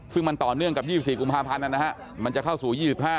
ซึ่งมันต่อเนื่องกับ๒๔กุมภาพันธ์มันจะเข้าสู่๒๕